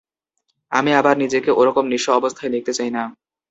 আমি আবার নিজেকে ওরকম নিঃস্ব অবস্থায় দেখতে চাই না।